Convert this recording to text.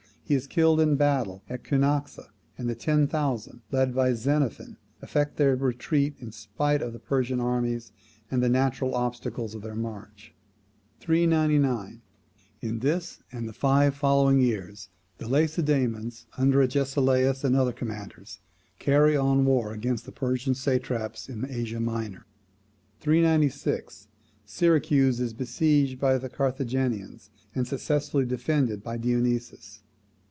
He in killed in battle at Cunaxa; and the ten thousand, led by Xenophon, effect their retreat in spite of the Persian armies and the natural obstacles of their march. 399. In this, and the five following years, the Lacedaemonians under Agesilaus and other commanders, carry on war against the Persian satraps in Asia Minor. 396. Syracuse is besieged by the Carthaginians, and successfully defended by Dionysius.